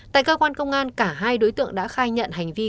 tại cơ quan công an cả hai đối tượng đã khai nhận hành vi